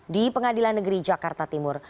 di pengadilan negeri jakarta timur